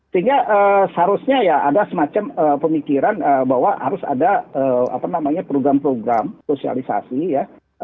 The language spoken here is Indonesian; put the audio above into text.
sehingga seharusnya ya ada semacam pemikiran bahwa harus ada program program sosialisasi ya